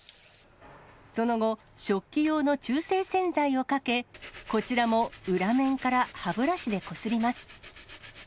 その後、食器用の中性洗剤をかけ、こちらも裏面から歯ブラシでこすります。